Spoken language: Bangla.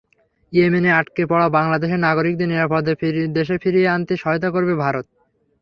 ইয়েমেনে আটকে পড়া বাংলাদেশের নাগরিকদের নিরাপদে দেশে ফিরিয়ে আনতে সহায়তা করবে ভারত।